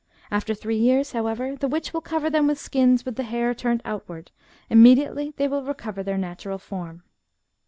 After three years, however, the witch will cover them with skins with the hair turned outward; immediately they will recover their natural form.